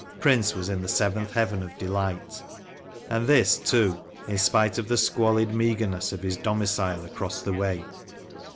Prince was in the seventh heaven of delight ; and this, too, in spite of the squalid meagreness of his domicile across the way.